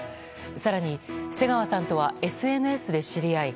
更に、瀬川さんとはＳＮＳで知り合い